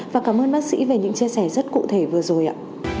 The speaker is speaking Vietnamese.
và cảm ơn bác sĩ về những chia sẻ rất cụ thể vừa rồi ạ